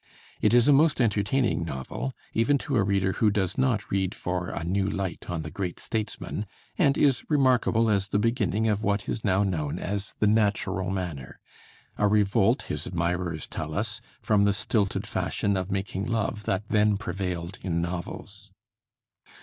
It is a most entertaining novel even to a reader who does not read for a new light on the great statesman, and is remarkable as the beginning of what is now known as the "natural" manner; a revolt, his admirers tell us, from the stilted fashion of making love that then prevailed in novels.